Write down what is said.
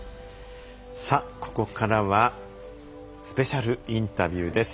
ここからはスペシャルインタビューです。